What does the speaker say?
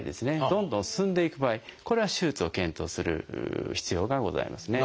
どんどん進んでいく場合これは手術を検討する必要がございますね。